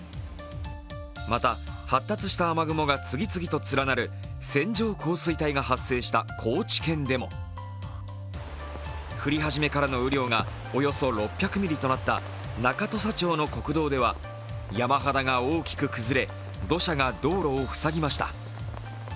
また発達した雨雲が次々と連なる線状降水帯が発生した高知県でも、降り始めからの雨量がおよそ６００ミリとなった中土佐町の国道では山肌が大きく崩れ、土砂が道路を塞ぎました。